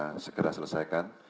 kita segera selesaikan